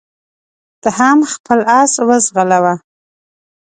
ته هم خپل اس وځغلوه.